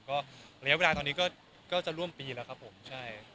ก็ระยะเวลาตอนนี้ก็จะร่วมปีแล้วครับผมใช่